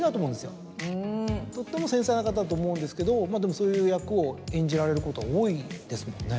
だと思うんですけどでもそういう役を演じられることは多いですもんね。